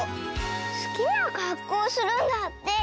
すきなかっこうするんだって。